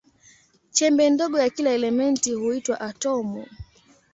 Chembe ndogo ya kila elementi huitwa atomu.